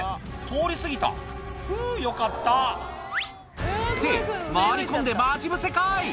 通り過ぎたふぅよかったって回り込んで待ち伏せかい！